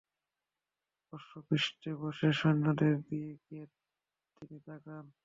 অশ্বপৃষ্ঠে বসে সৈন্যদের দিকে তিনি তাকান।